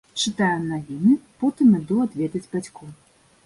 Чытаю навіны, потым іду адведаць бацькоў.